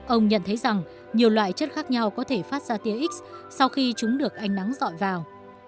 ông nhận thấy rằng nhiều loại chất khác nhau có thể phát ra tia x sau khi chúng được ánh nắng dọi vào